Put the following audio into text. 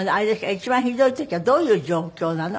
一番ひどい時はどういう状況なの？